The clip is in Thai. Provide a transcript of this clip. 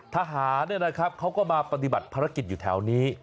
ทหารเขาก็มาปฏิบัติภารกิจอยู่แถวนี้